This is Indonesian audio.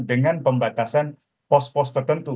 dengan pembatasan pos pos tertentu